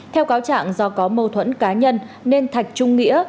theo cáo trạng do có mâu thuẫn cá nhân nên thạch trung nghĩa